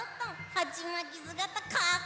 はちまきすがたかっこいい！